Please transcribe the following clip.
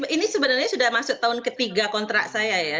ini sebenarnya sudah masuk tahun ketiga kontrak saya ya